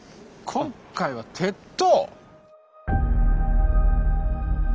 今回は鉄塔！